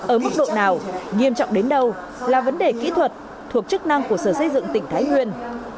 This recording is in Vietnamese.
ở mức độ nào nghiêm trọng đến đâu là vấn đề kỹ thuật thuộc chức năng của sở xây dựng tỉnh thái nguyên